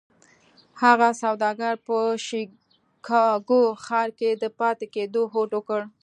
هغه سوداګر په شيکاګو ښار کې د پاتې کېدو هوډ وکړ.